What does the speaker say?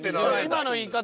今の言い方